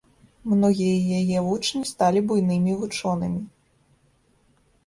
Многія яе вучні сталі буйнымі вучонымі.